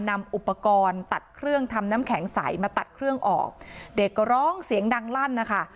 นำอุปกรณ์ตัดเครื่องทำน้ำแข็งใสมาตัดเครื่องออกเด็กก็ร้องเสียงดังลั่นนะคะ